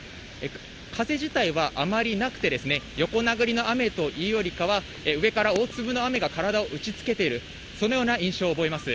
風自体はあまりなくてですね、横殴りの雨というよりかは、上から大粒の雨が体を打ちつけている、そのような印象を覚えます。